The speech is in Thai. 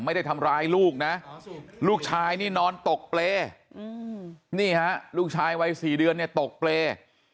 ไม่ได้ทำร้ายลูกนะลูกชายนี่นอนตกเปรย์นี่ฮะลูกชายวัย๔เดือนเนี่ยตกเปรย์